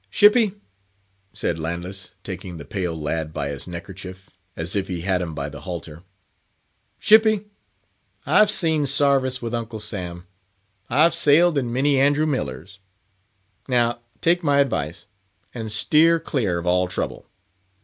"Shippy!" said Landless, taking the pale lad by his neckerchief, as if he had him by the halter; "Shippy, I've seen sarvice with Uncle Sam—I've sailed in many Andrew Millers. Now take my advice, and steer clear of all trouble.